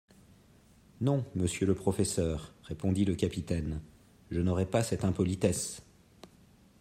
Non, monsieur le professeur, répondit le capitaine, je n’aurai pas cette impolitesse.